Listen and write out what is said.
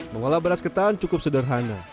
mengolah beras ketan cukup sederhana